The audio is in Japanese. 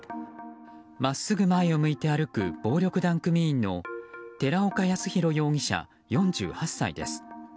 まっすぐ前を向いて歩く暴力団組員の寺岡康弘容疑者、４８歳です。